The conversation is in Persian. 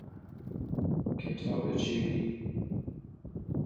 کتاب جیبی